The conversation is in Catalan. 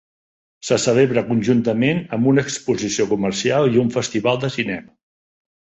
Se celebra conjuntament amb una exposició comercial i un Festival de cinema.